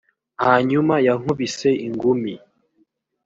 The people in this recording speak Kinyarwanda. hanyuma yankubise ingumi